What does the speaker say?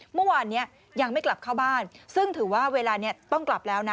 เมื่อวานนี้ยังไม่กลับเข้าบ้านซึ่งถือว่าเวลานี้ต้องกลับแล้วนะ